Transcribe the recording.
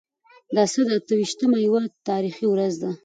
د اسد اته ويشتمه يوه تاريخي ورځ ده.